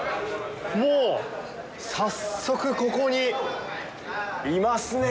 もう、早速、ここにいますね！